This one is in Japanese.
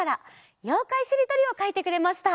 「ようかいしりとり」をかいてくれました。